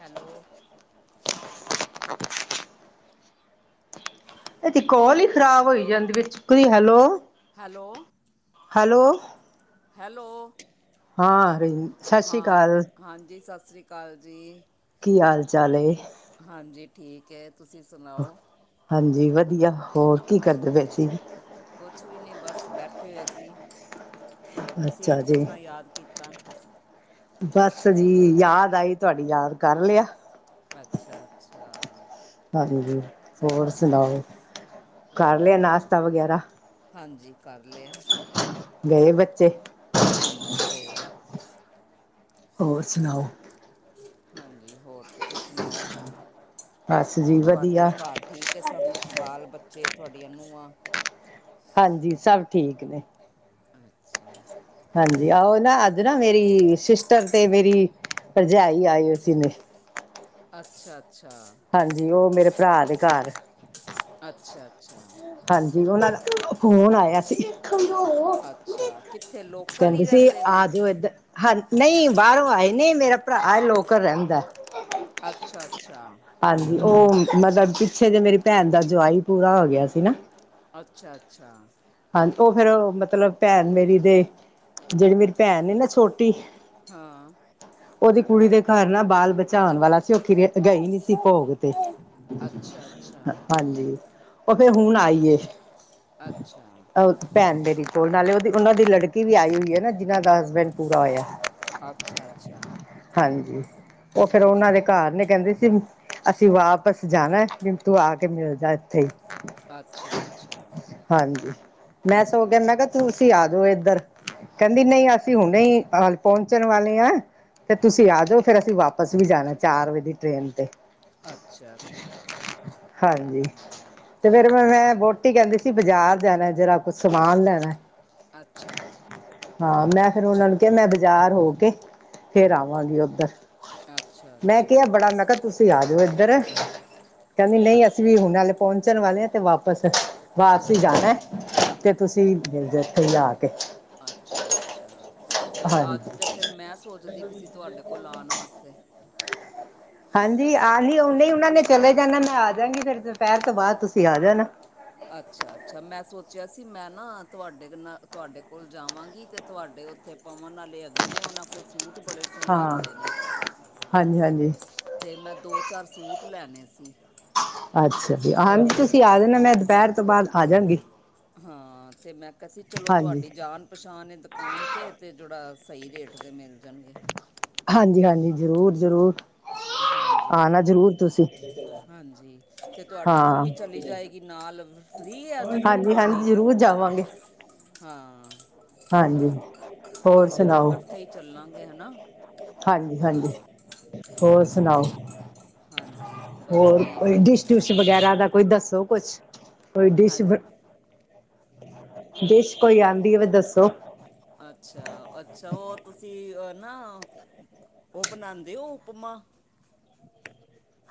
Hello ਇਹਦੀ ਕੋਲ ਹੀ ਖਰਾਬ ਹੋਈ ਜਾਂਦੀ ਵੀ ਚੁੱਕਦੀ ਹੈਲੋ। ਹੈਲੋ ਹੈਲੋ ਹੈਲੋ ਹਾਂ ਆ ਰਹੀ ਹੈ। ਹਾਂ ਹਾਂਜੀ ਸਤਿ ਸ਼੍ਰੀ ਅਕਾਲ ਜੀ ਕੀ ਹਾਲ ਚਾਲ ਏ। ਹਾਂਜੀ ਠੀਕ ਹੈ ਤੁਸੀਂ ਸੁਣਾਓ ਹਾਂਜੀ ਵਧੀਆ। ਹੋਰ ਕੀ ਕਰਦੇ ਪਏ ਹਾਂਜੀ, ਸੀ ਕੁਛ ਵੀ ਨਹੀਂ ਬਸ ਬੈਠੇ ਹੋਏ ਸੀ। ਹੋਰ ਤੁਸੀਂ ਅੱਛਾ ਅੱਜ ਕਿਸ ਜੀ ਤਰ੍ਹਾਂ ਯਾਦ ਕੀਤਾ ਬਸ ਜੀ ਯਾਦ ਆਈ ਤੁਹਾਡੀ ਯਾਦ ਕਰ ਲਿਆ ਅੱਛਾ ਅੱਛਾ ਹਾਂਜੀ, ਹੋਰ ਚਲੋ ਸੁਣਾਓ ਕਰ ਲਿਆ ਹਾਂਜੀ ਨਾਸ਼ਤਾ ਵਗੈਰਾ ਹਾਂਜੀ। ਕਰ ਲਿਆ। ਗਏ ਬੱਚੇ। ਹਾਂਜੀ। ਗਏ ਨੇ। ਹੋਰ ਸੁਣਾਓ? ਹਾਂਜੀ। ਹੋਰ ਤੁਸੀਂ ਸੁਣਾਓ? ਬਸ ਜੀ ਵਧੀਆ ਤੁਹਾਡੇ ਘਰ ਠੀਕ ਹੈ ਸਭ, ਬਾਲ- ਬੱਚੇ ਤੁਹਾਡਆਂ ਨੂੰਆ। ਹਾਂਜੀ। ਸਭ ਠੀਕ ਨੇ। ਅੱਛਾ ਜੀ। ਹਾਂਜੀ। ਆਓ ਨਾ ਅੱਜ ਨਾ ਮੇਰੀ, ਸਿਸਟਰ ਤੇ ਮੇਰੀ, ਭਰਜਾਈ ਆਈ ਹੋ ਸੀ ਨੇ। ਅੱਛਾ- ਅੱਛਾ। ਹਾਂਜੀ। ਉਹ ਮੇਰੇ ਭਰਾ ਦੇ ਘਰ। ਅੱਛਾ -ਅੱਛਾ। ਹਾਂਜੀ। ਉਹ ਨਾਲ ਫੋਨ ਆਇਆ ਸੀ। ਅੱਛਾ ਕਿੱਥੇ ਲੋਕਲ ਕਹਿੰਦੇ ਹੀ ਸੀ ਰਹਿੰਦੇ ਨੇ ਆ ਜਾਓ ਇਏਧਰ। ਹਾਂ ਨਹੀਂ ਬਾਹਰੋਂ ਆਏ ਨੇ ਮੇਰਾ ਭਰਾ ਲੋਕ ਰਹਿੰਦਾ। ਅੱਛਾ- ਅੱਛਾ। ਹਾਂਜੀ ਉਹ, ਮਤਲਬ ਪਿੱਛੇ ਜੇ ਮੇਰੀ ਭੈਣ ਦਾ ਜਵਾਈ ਪੂਰਾ ਹੋ ਗਿਆ ਸੀ ਨਾ। ਅੱਛਾ- ਅੱਛਾ। ਹਾਂ ਉਹ ਫੇਰ ਮਤਲਬ ਭੈਣ ਮੇਰੀ ਦੇ, ਜਿਹੜੀ ਮੇਰੀ ਭੈਣ ਨੇ ਨਾ ਛੋਟੀ। ਹਾਂ। ਉਹਦੀ ਕੁੜੀ ਦੇ ਘਰ ਨਾ ਬਾਲ- ਬੱਚਾ ਹੋਣ ਵਾਲਾ ਸੀ ਉਹ ਕਿਰੀਆ ਤੇ ਗਈ ਨੀ ਸੀ ਭੋਗ। ਅੱਛਾ ਅੱਛਾ ਹਾਂਜੀ। ਉਹ ਫੇਰ ਹੁਣ ਆਈਏ। ਅੱਛਾ। ਭੈਣ ਤੇਰੀ ਕੋਲ, ਨਾਲੇ ਉਹਦੀ ਉਹਨਾਂ ਦੀ ਲੜਕੀ ਵੀ ਆਈ ਹੋਈ ਹੈ ਨਾ ਜਿਹਨਾਂ ਦਾ ਹਸਬੈਂਡ ਪੂਰਾ ਹੋਇਆ। ਅੱਛਾ -ਅੱਛਾ। ਹਾਂਜੀ। ਉਹ ਫੇਰ ਉਹਨਾਂ ਦੇ ਘਰ ਨੇ ਕਹਿੰਦੇ ਸੀ ਅਸੀਂ ਵਾਪਿਸ ਜਾਣਾ, ਮੈਨੂੰ ਤੂੰ ਆ ਕੇ ਮਿਲ ਜਾ ਇੱਥੇ ਹੀ। ਅੱਛਾ- ਅੱਛਾ। ਹਾਂਜੀ ਮੈਂ ਸੋਗੋ ਹਮ, ਕਿਹਾ, ਤੁਸੀਂ ਆ ਜਾਓ ਇੱਧਰ। ਕਹਿੰਦੀ ਨਹੀਂ ਅਸੀਂ ਹੁਣੇਂ, ਹੀ ਪਹੁੰਚਣ ਵਾਲੇ ਹਾਂ। ਤੇ ਤੁਸੀਂ ਆ ਜਾਓ ਫੇਰ ਅਸੀਂ ਵਾਪਿਸ ਵੀ ਜਾਣਾਂ ਚਾਰ ਵਜੇ ਦੀ ਟ੍ਰੇਨ ਤੇ। ਅੱਛਾ- ਅੱਛਾ। ਹਾਂਜੀ ਤੇ ਫਿਰ ਰੁਨੇ ਮੈਂ ਵੋਟੀ ਕਹਿੰਦੀ ਸੀ। ਬਾਜ਼ਾਰ ਜਾਣਾਂ ਜਰਾ ਕੁਛ ਸਮਾਨ ਲੈਣਾਂ। ਅੱਛਾ। ਹਾਂ। ਮੈਂ ਫੇਰ ਉਹਨਾਂ ਨੂੰ ਕਿਹਾ, ਮੈਂ ਬਾਜ਼ਾਰ ਹੋ ਕੇ ਫਿਰ ਆਵਾਂਗੀ ਉੱਧਰ। ਅੱਛਾ ਮੈਂ ਅੱਛਾ ਕਿਹਾਂ ਬੜਾ ਮਕ ਤੁਸੀਂ ਆ ਜਾਓ ਇੱਧਰ। ਕਹਿੰਦੀ ਨਹੀਂ ਅ- ਅਸੀਂ ਵੀ ਹੁਣੇ ਪਹੁੰਚਣ ਵਾਲੇ ਤੇ ਵਾਪਸ, ਵਾਪਸੀ ਜਾਣਾਂ ਹੈ। ਤੇ ਤੁਸੀਂ, ਦੇਖੋ ਜਾਕੇ। ਅੱਛਾ- ਅੱਛਾ। ਤੇ ਹਾਂਜੀ ਅੱਜ ਤਾਂ ਫਿਰ ਮੈਂ ਸੋਚਦੀ ਪਈ ਸੀ ਤੁਹਾਡੇ ਕੋਲ ਆਉਣ ਵਾਸਤੇ। ਹਾਂਜੀ। ਆਗੇ ਨੇ ਉਹਨਾ ਨੇ ਚਲੇ ਜਾਣਾਂ। ਮੈਂ ਆ ਜਾਂਗੀ ਫਿਰ ਦੁਪਹਿਰ ਤੋਂ ਬਾਅਦ ਤੁਸੀਂ ਆ ਜਾਣਾ। ਅੱਛਾ- ਅੱਛਾ। ਮੈਂ ਸੋਚਿਆ ਸੀ ਮੈਂ ਨਾ ਤੁਹਾਡੇ ਨਾਲ ਤੁਹਾਡੇ ਕੋਲ ਜਾਵਾਂਗੀ। ਅਤੇ ਤੁਹਾਡੇ ਏਥੇ ਤੇ ਪਵਨ ਵਾਲੇ ਹੈਗੇ ਨੇ, ਉਹਨਾਂ ਕੋਲ ਸੂਟ ਬੜੇ ਸੋਹਣੇ ਹਾਂ ਹੁੰਦੇ ਨੇ। ਹਾਂਜੀ- ਹਾਂਜੀ। ਤੇ ਮੈਂ ਦੋ- ਚਾਰ ਸੂਟ ਲੈਣੇ ਸੀ। ਅੱਛਾ ਜੀ। ਹਾਂਜੀ ਤੁਸੀਂ ਆਜਾਣਾ ਮੈਂ ਦੁਪਹਿਰ ਤੋਂ ਬਾਅਦ ਆ ਜਾਗੀ। ਹਾਂ। ਤੇ ਮੈਂ ਕਿਹਾ ਸੀ ਚਲੋ ਹਾਂਜੀ ਤੁਹਾਡੀ ਜਾਨ? ਪਛਾਣ ਦੁਕਾਨ ਤੇ। ਤੇ ਜਿਹੜਾ ਸਹੀ ਰੇਟ ਤੇ ਮਿਲ ਜਾਂਣਗੇ। ਹਾਂਜੀ ਹਾਂਜੀ। ਜ਼ਰੂਰ ਜ਼ਰੂਰ ਹਾਂਜੀ ਆਣਾਂ ਜ਼ਰੂਰ ਤੁਸੀਂ। ਹਾਂਜੀ। ਤੇ ਤੁਹਾਡੇ ਨੂੰਹ ਹਾਂ ਵੀ ਚਲੀ ਜਾਏਗੀ ਨਾਲ। ਫਰੀ ਹੈ ਅੱਜ ਨੂੰਹ ਤੁਹਾਡੀ। ਪਹੁੰਚ ਜਾਵਾਂਗੇ। ਹਾਂ। ਹਾਂਜੀ ਹੋਰ ਚਲੋ ਫੇਰ ਸੁਣਾਓ ਇਕੱਠੇ ਹੀ ਚੱਲਾਂਗੇ ਹਨਾ। ਹਾਂਜੀ ਹਾਂਜੀ। ਹੋਰ ਸੁਣਾਓ। ਹਾਂਜੀ ਹਾਂਜੀ ਬਸ ਹੋਰ ਠੀਕ ਕੋਈ ਹੈ ਡਿਸ਼ ਡੂਸ਼? ਡਿਸ਼ ਵਗੈਰਾ ਦਾ ਕੋਈ ਦੱਸੋ ਕੁਛ। ਕੋਈ ਹਾਂ ਡਿਸ਼? ਡਿਸ਼ ਕੋਈ ਆਉਂਦੀ ਹੋਵੇ ਤੇ ਦੱਸੋ। ਅੱਛਾ ਅੱਛਾ। ਉਹ ਤੁਸੀਂ ਉਹ ਨਾ। ਉਹ ਬਣਾਉਂਦੇ ਹੋ ਉਪਮਾ।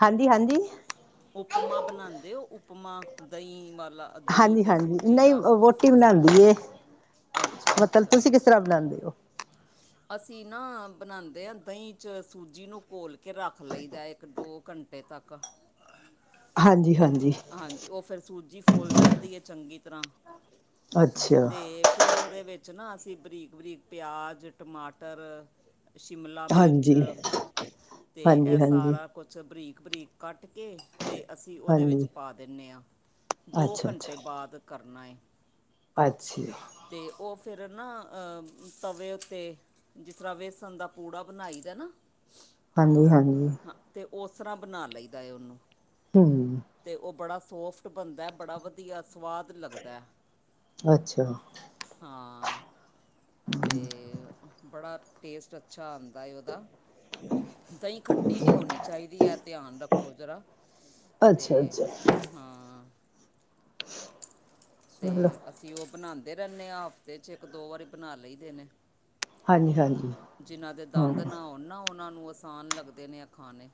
ਹਾਂਜੀ ਹਾਂਜੀ। ਉਪਮਾ ਬਣਾਉਂਦੇ ਹੋ ਉਪਮਾ ਦਹੀਂ ਵਾਲਾ ਦਹੀਂ ਹਾਂਜੀ ਤੇ ਹਾਂਜੀ। ਸੂਜੀ ਨਹੀਂ ਦਾ ਵੋਟੀ ਬਣਾਉਂਦੀ ਏ। ਅੱਛਾ ਮਤਲਬ ਤੁਸੀਂ ਅੱਛਾ ਕਿਸ ਤਰ੍ਹਾਂ ਬਣਾਉਂਦੇ ਹੋ। ਅਸੀਂ ਨਾ ਬਣਾਉਂਦੇ ਹਾਂ। ਦਹੀਂ 'ਚ ਸੂਜੀ ਨੂੰ ਘੋਲ ਕੇ ਰੱਖ ਲਈਦਾ ਇੱਕ ਦੋ ਘੰਟੇ। ਘੰਟੇ ਤੱਕ। ਹਾਂਜੀ ਹਾਂਜੀ। ਹਾਂਜੀ। ਉਹ ਫਿਰ ਸੂਜੀ ਫੁੱਲ ਜਾਂਦੀ ਹੈ ਚੰਗੀ ਤਰ੍ਹਾਂ ਅੱਛਾ ਤੇ। ਫਿਰ ਉਹਦੇ ਵਿੱਚ ਨਾ ਅਸੀਂ ਬਰੀਕ ਬਰੀਕ ਪਿਆਜ਼, ਟਮਾਟਰ। ਸ਼ਿਮਲਾ ਮਿਰਚ ਹਾਂਜੀ ਤੇ ਹਾਂਜੀ ਇਹ ਹਾਂਜੀ ਸਾਰਾ। ਕੁਛ ਬਰੀਕ ਬਰੀਕ ਕੱਟ ਕੇ। ਤੇ ਅਸੀਂ ਉਹਦੇ ਵਿੱਚ ਹਾਂਜੀ ਪਾ ਦਿੰਦੇ ਹਾਂ। ਦੋ ਅੱਛਾ ਘੰਟੇ ਅੱਛਾ ਬਾਅਦ ਕਰਨਾ ਏ। ਅੱਛਾ ਜੀ। ਤੇ ਉਹ ਫਿਰ ਨਾ ਅ ਤਵੇ ਉੱਤੇ। ਜਿਸ ਤਰ੍ਹਾਂ ਵੇਸਣ ਦਾ ਪੂੜਾ ਬਣਾਈ ਦਾ ਨਾ। ਹਾਂਜੀ ਹਾਂਜੀ। ਹਾਂ ਤੇ ਉਸ ਤਰ੍ਹਾਂ ਬਣਾ ਲਈਦਾ ਹੈ ਉਹਨੂੰ। ਹੂੰ। ਤੇ ਉਹ ਬੜਾ ਸੋਫਟ ਬਣਦਾ ਹੈ। ਬੜਾ ਵਧੀਆ ਸੁਵਾਦ ਲੱਗਦਾ ਹੈ। ਅੱਛਾ। ਹਾਂ। ਤੇ, ਬੜਾ ਟੇਂਸ਼ਨ ਅੱਛਾ ਆਂਦਾ ਏ ਉਹਦਾ। ਦਹੀਂ ਖੱਟੀ ਨਹੀਂ ਹੋਣੀ ਚਾਹੀਦੀ ਹੈ ਧਿਆਨ ਰੱਖੋ ਜ਼ਰਾ ਅੱਛਾ ਅੱਛਾ ਹਾਂ [inaudible] ਅਤੇ ਅਸੀਂ ਉਹ ਬਣਾਉਂਦੇ ਰਹਿੰਦੇ ਹਾਂ, ਹਫ਼ਤੇ 'ਚ ਇੱਕ ਦੋ ਵਾਰੀ ਬਣਾ ਲਈ ਦੇ ਨੇ ਹਾਂਜੀ ਹਾਂਜੀ ਜਿਨਾਂ ਦੇ ਹਾਂ ਦੰਦ ਨਾ ਆ ਨਾ ਉਹਨਾਂ ਨੂੰ ਆਸਾਨ ਲੱਗਦੇ ਨੇ ਆ ਖਾਣੇ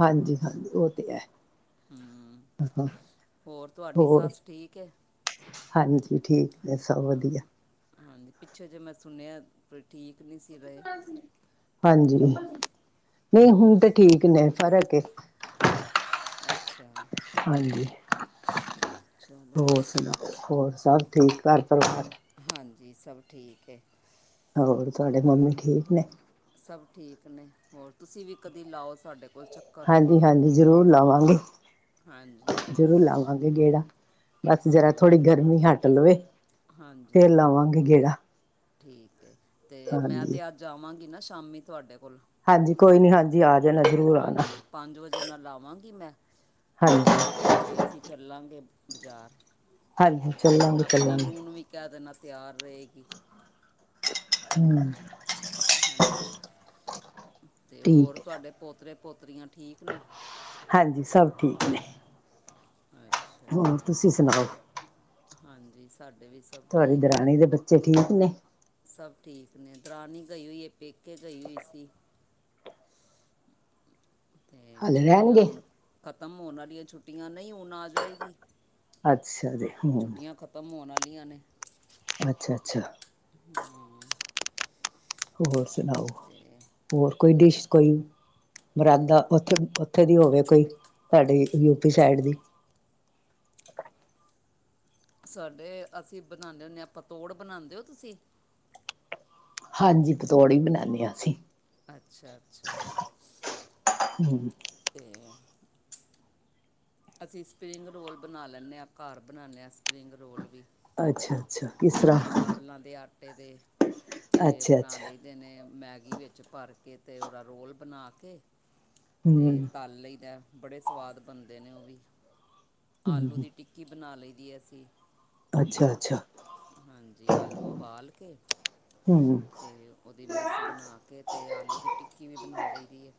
ਹਾਂਜੀ ਹਾਂਜੀ ਉਹ ਤੇ ਹੈ ਹੂੰ, ਹੋਰ ਤੁਹਾਡੀ ਹੋਰ ਸੱਸ ਠੀਕ ਹੈ। ਹਾਂਜੀ ਠੀਕ ਹੈ ਸਭ ਵਧੀਆ ਹਾਂਜੀ ਪਿੱਛੇ ਜੇ ਮੈਂ ਸੁਣਿਆ ਠੀਕ ਨਹੀਂ ਸੀ ਰਹੇ ਹਾਂਜੀ ਨਹੀਂ ਹਮ, ਹੁਣ ਤੇ ਠੀਕ ਨੇ ਫ਼ਰਕ ਹੈ। ਅੱਛਾ ਹਾਂਜੀ ਚਲੋ ਹੋਰ ਸੁਣਾ। ਹੋਰ ਸਭ ਠੀਕ ਘਰ ਪਰਿਵਾਰ। ਹਾਂਜੀ ਸਭ ਠੀਕ ਐ। ਹੋਰ ਤੁਹਾਡੇ ਮੰਮੀ ਠੀਕ ਨੇ। ਸਭ ਠੀਕ ਨੇ ਹੋਰ ਤੁਸੀਂ ਵੀ ਕਦੀ ਲਾਓ ਸਾਡੇ ਕੋਲ ਚੱਕ ਹਾਂਜੀ-ਹਾਂਜੀ ਜ਼ਰੂਰ ਲਵਾਂਗੇ। ਹਾਂਜੀ ਜ਼ਰੂਰ ਲਾਵਾਂਗੇ ਗੇੜਾ ਬਸ ਜਰਾ ਹਾਂ ਥੋੜ੍ਹੀ ਗਰਮੀ ਹੱਟ ਲਵੇ। ਫੇਰ ਹਾਂਜੀ ਲਾਵਾਂਗੇ ਗੇੜਾ। ਠੀਕ ਏ ਤੇ ਮੈਂ ਹਾਂਜੀ ਤਾਂ ਅੱਜ ਆਵਾਂਗੀ ਨਾ ਸ਼ਾਮੀ ਤੁਹਾਡੇ ਕੋਲ ਹਾਂਜੀ ਕੋਈ ਨੀ ਹਾਂਜੀ ਆ ਜਾਣਾ ਜ਼ਰੂਰ ਆਣਾ। ਪੰਜ ਵਜੇ ਨਾਲ ਆਵਾਂਗੀ ਮੈਂ ਹਾਂਜੀ ਤੇ ਅਸੀਂ ਚੱਲਾਂਗੇ ਬਾਜ਼ਾਰ ਹਾਂਜੀ ਚੱਲਾਂਗੇ ਆਪਣੀ ਚੱਲਾਂਗੇ ਨੂੰਹ ਨੂੰ ਵੀ ਕਹਿ ਦੇਣਾ ਤਿਆਰ ਰਏਗੀ। [inaudible] ਹਨਾ ਤੇ ਹੋਰ ਠੀਕ ਹੈ ਤੁਹਾਡੇ ਪੋਤਰੇ ਪੋਤਰੀਆਂ ਠੀਕ। ਨੇ ਹਾਂਜੀ ਸਭ ਠੀਕ ਨੇ। ਅੱਛਾ ਹੋਰ ਤੁਸੀਂ ਸੁਣਾਓ ਹਾਂਜੀ ਸਾਡੇ ਵੀ ਸਭ ਤੁਹਾਡੀ ਠੀਕ ਨੇ। ਦਰਾਣੀ ਦੇ ਬੱਚੇ ਠੀਕ ਨੇ ਸਭ ਠੀਕ ਨੇ ਦਰਾਨੀ ਗਈ ਹੋਈ ਏ ਪੇਕੇ ਗਈ ਹੋਈ ਸੀ। ਤੇ ਹਾਲੇ ਛੁੱਟੀਆਂ ਰਹਿਣਗੇ ਹੁਣ ਖਤਮ ਹੋਣ ਆਲੀਆਂ ਛੁੱਟੀਆਂ ਨਈ ਹੁਣ ਆ ਜਾਏਗੀ। ਅੱਛਾ ਜੀ ਹੂੰ ਛੁੱਟੀਆਂ ਖਤਮ ਹੋਣ ਆਲੀਆਂ ਨੇ। ਅੱਛਾ-ਅੱਛਾ ਹੂੰ ਹੋਰ ਸੁਣਾਓ। ਤੇ ਹੋਰ ਕੋਈ ਡਿਸ਼ ਕੋਈ ਮੁਰਾਦਾ ਉੱਥੇ-ਉੱਥੇ ਦੀ ਹੋਵੇ ਕੋਈ ਤੁਹਾਡੀੇ ਯੂਪੀ ਸਾਈਡ ਦੀ ਸਾਡੇ ਅਸੀਂ ਬਣਾਣੇ ਹੁੰਨੇ ਹਾਂ ਪਤੋੜ ਬਣਾਂਦੇ ਹੋ ਤੁਸੀਂ ਹਾਂਜੀ ਪਤੋੜ ਈ ਬਣਾਨੇ ਹਾਂ ਅਸੀਂ ਅੱਛਾ-ਅੱਛਾ [inaudible] ਤੇ ਅਸੀਂ ਸਪਰਿੰਗ ਰੋਲ ਬਣਾ ਲੈਂਣੇ ਆਂ ਘਰ ਬਣਾਣੇ ਆਂ ਸਪਰਿੰਗ ਰੋਲ ਵੀ ਅੱਛਾ ਅੱਛਾ ਕਿਸ ਤਰ੍ਹਾਂ ਚਾਵਲਾਂ ਦੇ ਆਟੇ ਦੇ ਤੇ ਅੱਛਾ ਬਣਾ ਅੱਛਾ ਲਈ ਜਿਨੇ ਮੈਗੀ ਵਿੱਚ ਭਰ ਕੇ ਤੇ ਓਹਦਾ ਰੋਲ ਬਨਾ ਕੇ ਤੇ ਹੂੰ ਤੱਲ ਲਈ ਦਾ ਏ ਬੜੇ ਸਵਾਦ ਬਨਦੇ ਨੇ ਓ ਵੀ ਆਲੂ ਹੂੰ ਦੀ ਟਿੱ ਟਿੱਕੀ ਬਨਾ ਲਈ ਦੀ ਅਸੀਂ ਅੱਛਾ-ਅੱਛਾ ਹਾਂਜੀ ਆਲੂ ਊਬਾਲ ਕੇ ਹੂੰ ਤੇ ਉਹਦੀ ਮਿਸ ਬਨਾ ਕੇ ਤੇ ਆਲੂ ਦੀ ਟਿੱਕੀ ਵੀ ਬਨਾ ਲਈ ਦੀ ਏ।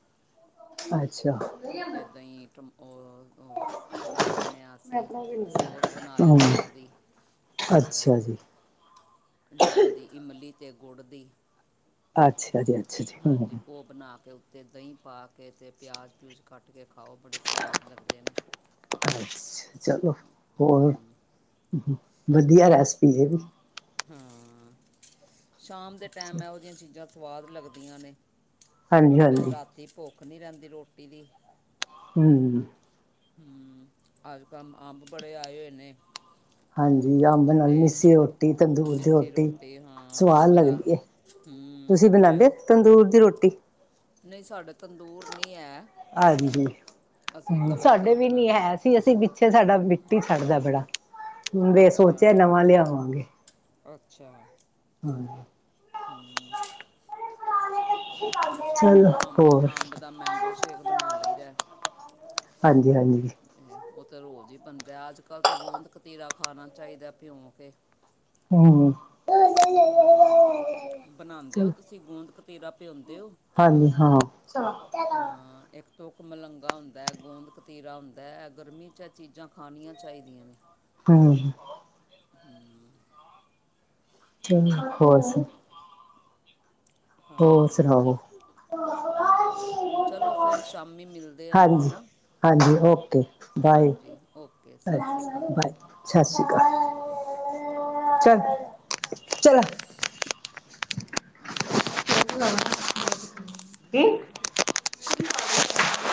[unintelligible] ਅੱਛਾ। ਉੱਤੇ ਏਦਾਂ ਈ ਟਮ- ਓ [unintelligible] ਬਨਾ ਲੈਂਨੇ ਆਂ ਅਸੀਂ, ਸੋਸ ਬਨਾ ਹੂੰ ਲੈਂਨੇ ਆ ਓਦੀ। ਅੱਛਾ ਜੀ। ਦ ਉਹਦੀ ਇਮਲੀ ਤੇ ਗੁੜ ਦੀ। ਅੱਛਾ ਜੀ ਅ ਹਾਂਜੀ, ਓਹ ਬਨਾ ਕੇ ਉੱਤੇ ਦਹੀਂ ਪਾਕੇ ਤੇ ਪਿਆਜ਼ - ਪਿਊਜ ਕਟ ਕੇ ਖਾਓ, ਬੜੇ ਸਵਾਦ ਲਗਦੇ ਨੇ। ਅੱਛਾ ਚਲੋ ਹੋਰ, ਹੂੰ ਹੂ- ਹੂ ਵਧੀਆਂ ਰੈਸਪੀ ਏ ਵੀ। ਹਾਂ, ਸ਼ਾਮ ਦੇ ਟੈਮ ਏਹੋ ਜੇਹੀਆਂ ਚੀਜ਼ਾਂ ਸਵਾਦ ਲੱਗਦੀਆਂ ਨੇ। ਹਾਂਜੀ ਫੇਰ ਹਾਂਜੀ ਰਾਤੀ ਭੁੱਖ ਨੀ ਰੈਂਦੀ ਰੋਟੀ ਦੀ। ਹੂਮ ਹੂਮ ਅੱਜ -ਕੱਲ ਅੰਬ ਬੜੇ ਆਏ ਨੇੇ। ਹਾਂਜੀ ਅੰਬ [unintelligible] ਨਾਲ ਤੇ ਮਿੱਸੀ ਰੋਟੀ ਤੰਦੂਰ ਦੀ ਮਿੱਸੀ ਰੋਟੀ ਹਾਂ ਅੰਬ ਦਾ ਹੂਮ ਬਨਾਂਦੇ ਤੰਦੂਰ ਦੀ ਰੋਟੀ? ਨਹੀਂ ਸਾਡੇ ਤੰਦੂਰ ਨਹੀਂ ਹੈ [unintelligible] ਹਾਂਜੀ, ਅਸੀਂ ਹੂਮ ਤਵੇ ਤੇ ਸਾਡੇ ਹੀ ਵੀ ਨੀ ਬਣਾਉਂਦੇ ਹੈ ਹਾਂ ਸੀ ਅਸੀਂ ਗਿ ਅੱਛੇ ਸਾਡਾ ਮਿੱਟੀ ਛੱਡਦਾ ਏ ਬੜਾ, ਫੇ ਅੱਛਾ ਸੋਚੇਆ ਨਵਾਂ ਲਿਆਵਾਂਗੇ। ਅੱਛਾ। ਹਾਂ। ਹੂਮ [unintelligible] [unintelligible] ਆਮ- ਹੋਰ ਅੰਬ ਦਾ ਮੈਂਗੋ ਸ਼ੇਕ ਬਣਾ ਲਈਦੈ। [unintelligible] ਹਾਂਜੀ- ਹਾਂਜੀ। [unintelligible] ਓਹ ਤੇ ਰੋਜ਼ ਹੀ ਬਨਦਾ ਏ ਅੱਜ- ਕੱਲ੍ਹ ਤੇ ਗੋਂਦ- ਕਤੀਰਾ ਖਾਨਾ ਚਾਈਦਾ ਭਿਉਂ ਕੇ। ਹੂਮ ਹਾਂ ਬਨਾਂਦੇ ਹੋ ਚਲੋ ਤੁਸੀਂ ਗੋਂਦ -ਕਤੀਰਾ ਭਿਓਂਦੇ ਓ? ਹਾਂਜੀ ਹਾਂ [unintelligible] ਹਾਂ, ਏਕ ਤੂਕਮਲੰਗਾ ਹੁੰਦਾ ਐ, ਗੋਂਦ- ਕਤੀਰਾ ਹੁੰਦਾ ਐ, ਗਰਮੀ 'ਚ ਚੀਜ਼ਾਂ ਖਾਨੀਆਂ ਚਾਈਦੀਆਂ ਨੇ। ਹੂ [unintelligible] ਹੂਮ [unintelligible] [unintelligible] ਹੋਰ ਹਾਂਜੀ ਸੁਨਾਵੋ? ਹਾਂਜੀ, ਚਲੋ ਫੇਰ ਸ਼ਾਮੀ ਮਿਲਦੇ ਆ ਹਾਂਜੀ, ਹੇਨਾ। ਹਾਂਜੀ okay bye okay [unintelligible] Sat Sri ਅਕਾਲ ਬਾਏ ਜੀ ਸਤਿ ਸ਼੍ਰੀ ਅਕਾਲ। [unintelligible] ਚੱਲ- ਚਲਾ [inaudible] ਜੰਗਲੀਆਂ [unintelligible] ਕੀ? ਕਿਤੇ ਆ